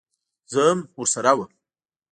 زه هم ورسره وم.